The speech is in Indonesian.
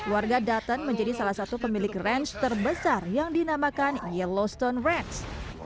keluarga dutton menjadi salah satu pemilik ranch terbesar yang dinamakan yellowstone ranch